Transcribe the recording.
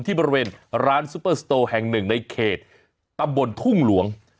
ที่บริเวณร้านซูเปอร์โสโตร์แห่ง๑ในเขตตำบลทุ่งหลวง